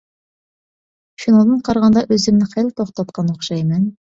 شۇنىڭدىن قارىغاندا ئۆزۈمنى خېلى توختاتقان ئوخشايمەن.